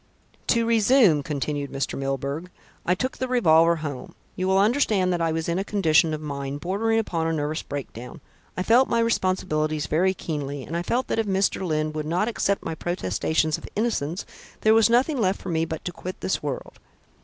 "To resume," continued Mr. Milburgh, "I took the revolver home. You will understand that I was in a condition of mind bordering upon a nervous breakdown. I felt my responsibilities very keenly, and I felt that if Mr. Lyne would not accept my protestations of innocence, there was nothing left for me but to quit this world."